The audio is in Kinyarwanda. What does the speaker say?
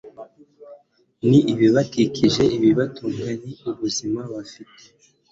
n'ibibakikije, ibibatunga n'ubumenyi bafite